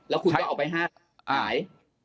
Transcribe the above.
แล้วเอาไปห้านั้น